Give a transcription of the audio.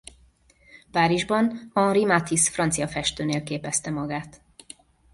Párizsban Henri Matisse francia festőnél képezte magát.